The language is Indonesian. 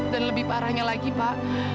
dan lebih parahnya lagi pak